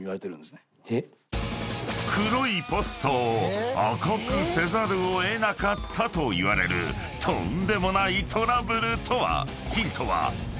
［黒いポストを赤くせざるを得なかったといわれるとんでもないトラブルとは？］